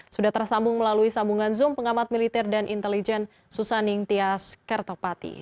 sudah tersambung melalui sambungan zoom pengamat militer dan intelijen susaning tias kertopati